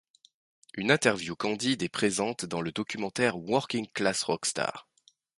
Une interview candide est présente dans le documentaire Working Class Rock Star.